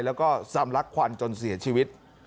แล้วก็สำลักควันจนเสียชีวิต